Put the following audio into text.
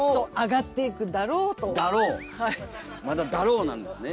まだ「だろう」なんですね。